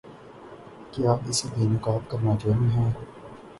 کیا اسے بے نقاب کرنا جرم ہے؟